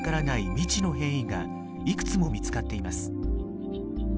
未知の変異がいくつも見つかっています。